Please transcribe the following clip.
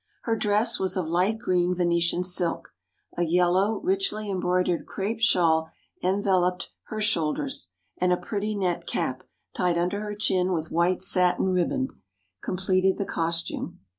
Her dress was of light green Venetian silk; a yellow, richly embroidered crape shawl enveloped her shoulders; and a pretty net cap, tied under her chin with white satin riband, completed the costume.